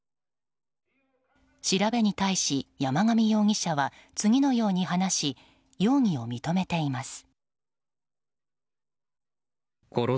調べに対し、山上容疑者は次のように話し容疑を認めています。